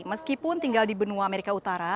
meskipun tinggal di benua amerika utara